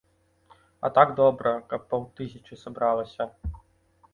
А так добра, каб паўтысячы сабралася.